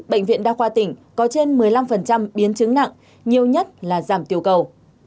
bệnh viện đa khoa tỉnh có trên một mươi năm biến chứng nặng nhiều nhất là giảm tiểu cầu